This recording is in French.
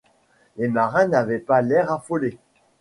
Les marins n’avaient pas l’air affolé.